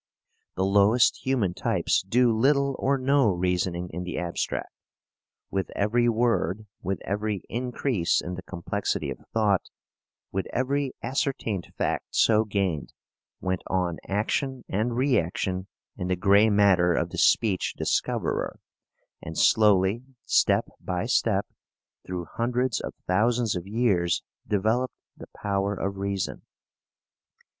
The lowest human types do little or no reasoning in the abstract. With every word, with every increase in the complexity of thought, with every ascertained fact so gained, went on action and reaction in the grey matter of the speech discoverer, and slowly, step by step, through hundreds of thousands of years, developed the power of reason.